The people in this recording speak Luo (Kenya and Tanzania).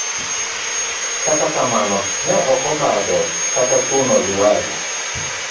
kata kamano ne ok obadho kata chuno Liwazo.